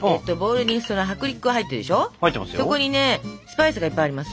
そこにねスパイスがいっぱいあります。